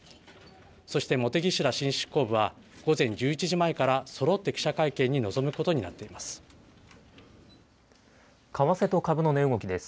そして茂木氏ら新執行部は午前１１時前から、そろって記者会見に臨むことになっています。